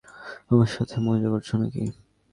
আমার সাথে মজা করছ নাকি?